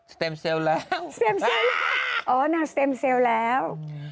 สเต็มเซลซ์แล้ว